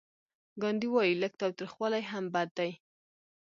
ګاندي وايي لږ تاوتریخوالی هم بد دی.